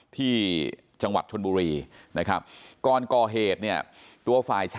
ที่จังหวัดชนบุรีนะครับก่อนก่อเหตุเนี่ยตัวฝ่ายชาย